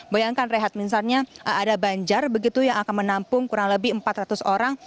bayangkan rehat misalnya ada banjar begitu yang akan menampung kurang lebih empat ratus orang